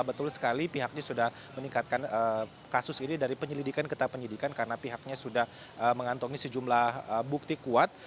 betul sekali pihaknya sudah meningkatkan kasus ini dari penyelidikan ke tahap penyelidikan karena pihaknya sudah mengantongi sejumlah bukti kuat